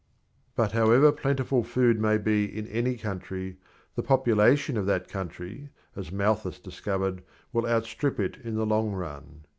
But however plentiful food may be in any country, the population of that country, as Malthus discovered, will outstrip it in the long run.